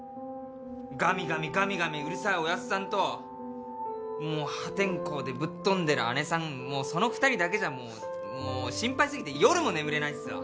ガミガミガミガミうるさいおやっさんともう破天荒でぶっ飛んでる姐さんその２人だけじゃもう心配過ぎて夜も眠れないっすわ。